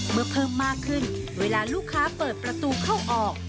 เพิ่มมากขึ้นเวลาลูกค้าเปิดประตูเข้าออก